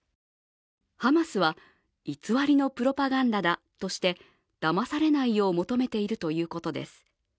ハマスは偽りのプロパガンダだとしてだまされないよう求めているということです。